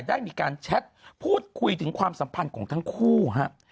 ได้มีการแชทพูดคุยถึงความสัมพันธ์ของทั้งคู่ครับ